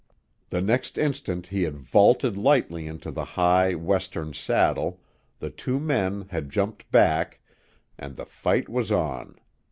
The next instant he had vaulted lightly into the high, Western saddle, the two men had jumped back, and the fight was on.